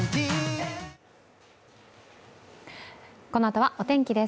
このあとはお天気です。